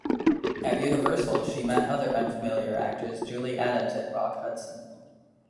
At Universal, she met other unfamiliar actors Julie Adams and Rock Hudson.